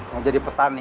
mau jadi petani